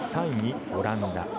３位がオランダ。